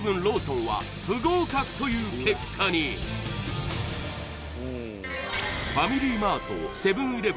ローソンは不合格という結果にファミリーマートセブン